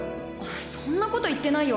そんなこと言ってないよ。